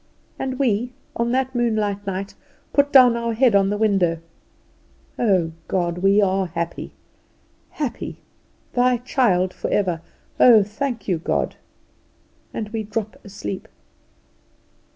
And we, on that moonlight night, put down our head on the window, "Oh, God! we are happy, happy; thy child forever. Oh, thank you, God!" and we drop asleep.